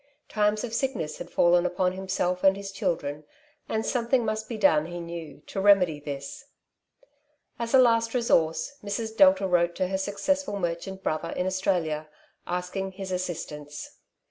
Times of sickness had fallen upon himself and his children, and something must be done, he knew, to remedy this. As a last resource Mrs. Delta wrote to her successful merchant brother in Australia, asking his assistance.